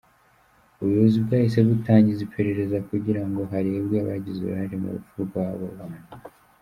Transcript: Ubuyobozi bwahise butangiza iperereza kugira ngo harebwe abagize uruhare mu rupfu rw’abo bantu.